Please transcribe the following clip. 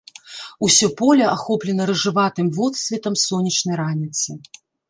Усё поле ахоплена рыжаватым водсветам сонечнай раніцы.